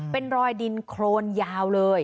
เป็นรอยดินโครนยาวเลย